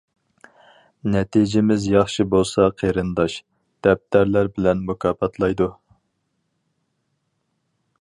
نەتىجىمىز ياخشى بولسا قېرىنداش، دەپتەرلەر بىلەن مۇكاپاتلايدۇ.